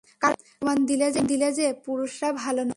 কারন প্রমাণ দিলে যে, পুরুষরা ভাল নয়।